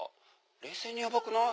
冷静にやばくない？